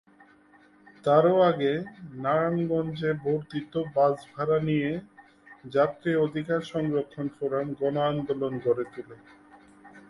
তারও আগে নারায়ণগঞ্জে বর্ধিত বাসভাড়া নিয়ে যাত্রী-অধিকার সংরক্ষণ ফোরাম গণ-আন্দোলন গড়ে তোলে।